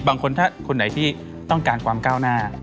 บางคนถ้าคนไหนที่ต้องการความก้าวหน้า